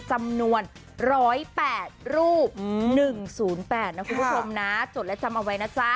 จำนวนร้อยแปดรูปหนึ่งศูนย์แปดนะคุณผู้ชมนะจดและจำเอาไว้นะจ๊ะ